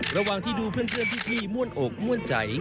ระหว่างที่ดูเพื่อนเพื่อนที่พี่ม่วนอกม่วนใจ